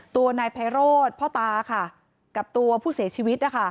ตัวนายไพโรธพ่อตาค่ะกับตัวผู้เสียชีวิตนะคะ